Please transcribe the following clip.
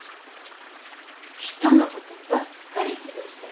人のことばっかり気にして。